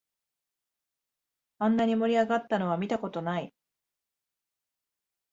あんなに盛り上がったのは見たことない